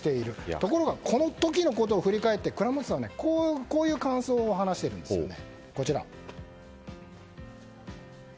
ところがこの時のことを振り返ってクラモチさんはこういう感想を話しているんですね。